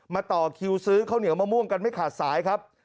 ต่อคิวซื้อข้าวเหนียวมะม่วงกันไม่ขาดสายครับ